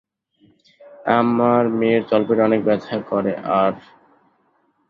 আমার মেয়ের তলপেটে অনেক ব্যথা করে আর।